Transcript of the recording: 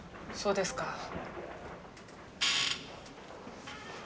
そうですか。